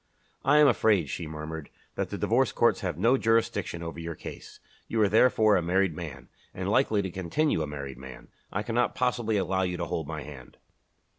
"I am afraid," she murmured, "that the Divorce Courts have no jurisdiction over your case. You are therefore a married man, and likely to continue a married man. I cannot possibly allow you to hold my hand."